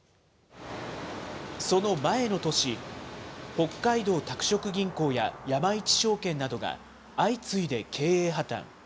その前の年、北海道拓殖銀行や山一証券などが相次いで経営破綻。